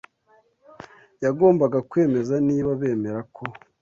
yagombaga kwemeza niba bemera ko